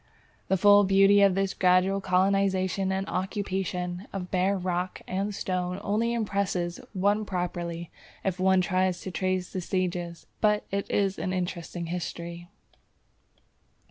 _ The full beauty of this gradual colonization and occupation of bare rock and stones only impresses one properly if one tries to trace the stages, but it is an interesting history.